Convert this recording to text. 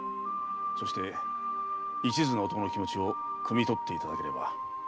そして一途な男の気持ちをくみ取っていただければ。